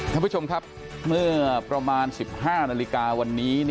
ท่านผู้ชมครับเมื่อประมาณ๑๕นาฬิกาวันนี้